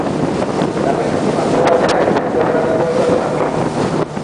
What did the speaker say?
La penúltima prueba del año fue el Rally Costa de Marfil.